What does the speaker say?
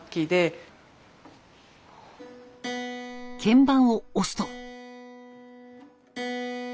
鍵盤を押すと。